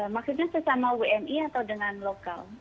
maksudnya sesama wni atau dengan lokal